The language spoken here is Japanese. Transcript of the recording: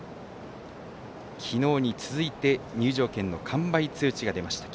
昨日に続いて入場券の完売通知が出ました。